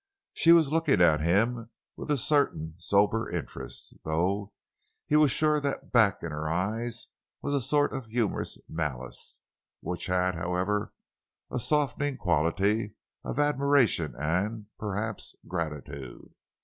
She was looking at him with a certain sober interest, though he was sure that back in her eyes was a sort of humorous malice—which had, however, a softening quality of admiration and, perhaps, gratitude.